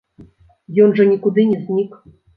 Ён жа нікуды не знік.